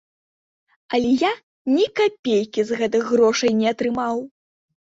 Але я ні капейкі з гэтых грошай не атрымаў!